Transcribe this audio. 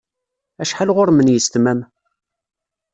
Acḥal ɣur-m n yisetma-m?